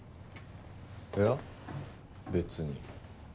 いや別に。